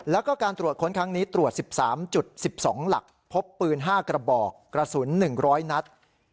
แล้วก็การตรวจค้นครั้งนี้ตรวจ๑๓๑๒หลักพบปืน๕กระบอกกระสุน๑๐๐นัด